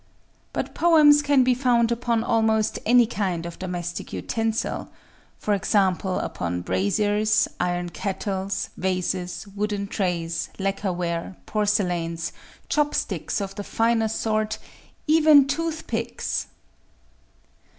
But poems can be found upon almost any kind of domestic utensil,—for example upon braziers, iron kettles, vases, wooden trays, lacquer ware, porcelains, chopsticks of the finer sort,—even toothpicks!